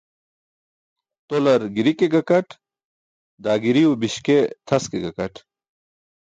Tolar giri ke gakat, daa giriw biśkee tʰas ke gakaṭ.